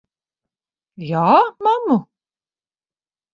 Jā, mammu?